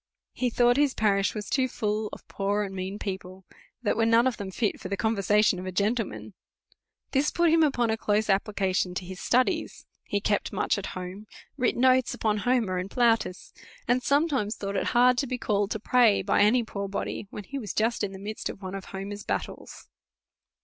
He thought his parish was too full of poor and mean people, that were none of them fit for the conversation of a gentle man. This put him upon a close application to his stu dies. He kept much at home, writ notes upon Homer and Plautus, and sometimes thought it hard to be call ed to pray by any poor body, when he was just in the midst of one of Homer's battles.